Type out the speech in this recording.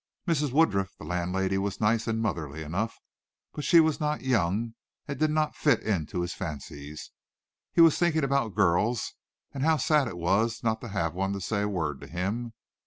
Mrs. Woodruff, the landlady, was nice and motherly enough, but she was not young and did not fit into his fancies. He was thinking about girls and how sad it was not to have one to say a word to him.